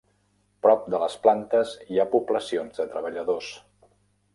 Prop de les plantes hi ha poblacions de treballadors.